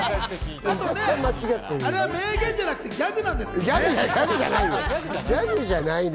名言じゃなくてギャグなんですけどね。